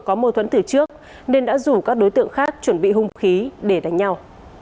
có mâu thuẫn từ trước nên đã rủ các đối tượng khác chuẩn bị hung khí để đánh nhau